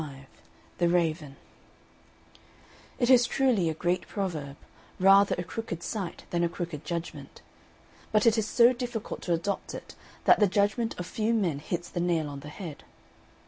XXV THE RAVEN It is truly a great proverb "Rather a crooked sight than a crooked judgment"; but it is so difficult to adopt it that the judgment of few men hits the nail on the head.